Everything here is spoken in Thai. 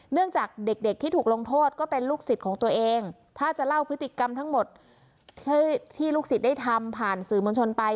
เนื่องจากเด็กที่ถูกลงโทษก็เป็นลูกศิษย์ของตัวเองถ้าจะเล่าพฤติกรรมทั้งหมดที่ลูกศิษย์ได้ทำผ่านสื่อมวลชนไป